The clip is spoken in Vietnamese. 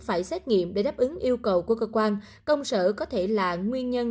phải xét nghiệm để đáp ứng yêu cầu của cơ quan công sở có thể là nguyên nhân